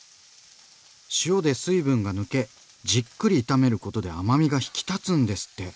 塩で水分が抜けじっくり炒めることで甘みが引き立つんですって。